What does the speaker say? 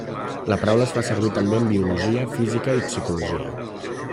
La paraula es fa servir també en biologia, física i psicologia.